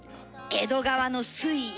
江戸川の水位。